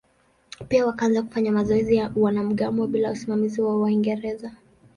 Pia wakaanza kufanya mazoezi ya wanamgambo bila usimamizi wa Waingereza.